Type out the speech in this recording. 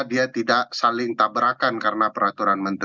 dia tidak saling tabrakan karena peraturan menteri